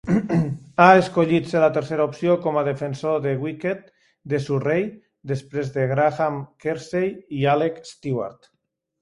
Ha escollit ser la tercera opció com a defensor de wicket de Surrey després de Graham Kersey i Alec Steward.